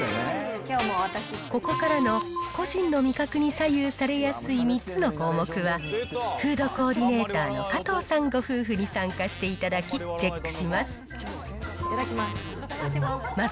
ここからの個人の味覚に左右されやすい３つの項目は、フードコーディネーターの加藤さんご夫婦に参加していただきチェックします。